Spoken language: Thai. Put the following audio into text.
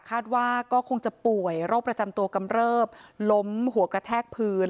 คาดว่าก็คงจะป่วยโรคประจำตัวกำเริบล้มหัวกระแทกพื้น